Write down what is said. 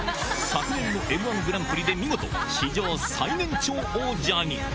昨年のＭー１グランプリで見事、史上最年長王者に。